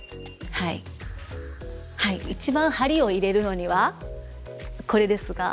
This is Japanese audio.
はい一番梁を入れるのにはこれですが。